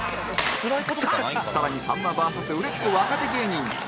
更にさんま ｖｓ 売れっ子若手芸人に